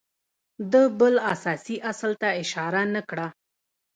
ده بل اساسي اصل ته اشاره نه کړه